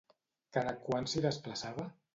Cada quant s'hi desplaçava?